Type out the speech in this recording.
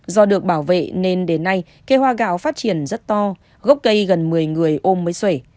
do được bảo vệ nên đến nay cây hoa gạo phát triển rất to gốc cây gần một mươi người ôm mới sể